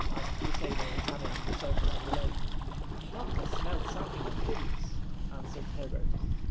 asked the sailor examining the surface of the lake. "Top has smelt something amphibious," answered Herbert.